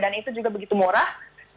dan itu juga begitu morah